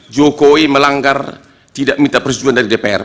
jokowi melanggar tidak minta persetujuan dari dpr